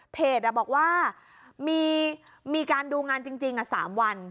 เพจบอกว่ามีการดูงานจริงสามวัน